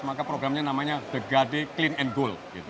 maka programnya namanya the gade clean and goal